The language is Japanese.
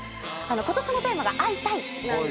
今年のテーマが「会いたい！」。